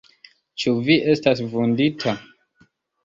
Ĉu Vi estas vundita?